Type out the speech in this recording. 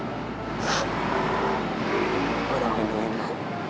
gue udah lindungi lo